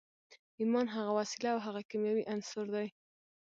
ايمان هغه وسيله او هغه کيمياوي عنصر دی.